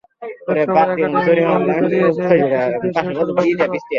তাঁদের সবাই একাডেমির গণ্ডি পেরিয়ে এসে ব্যক্তিশিল্পী হিসেবে শুরু করেছেন শিল্পচর্চা।